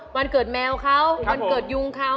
วันเกิดแมวเขาวันเกิดยุงเขา